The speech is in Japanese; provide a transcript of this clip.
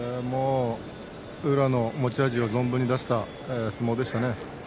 宇良の持ち味を存分に出した相撲でしたね。